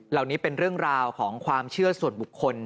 เหล่านี้เป็นเรื่องราวของความเชื่อส่วนบุคคล